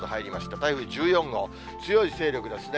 台風１４号、強い勢力ですね。